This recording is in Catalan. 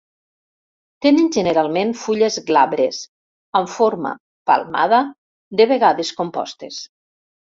Tenen generalment fulles glabres, amb forma palmada, de vegades compostes.